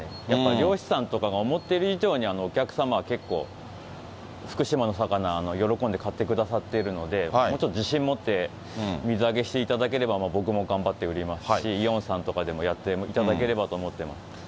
やっぱ漁師さんとかが思っている以上に、お客様は結構、福島の魚、喜んで買ってくださっているので、もうちょっと自信持って水揚げしていただければ、僕も頑張って売りますし、イオンさんとかでもやっていただければと思っています。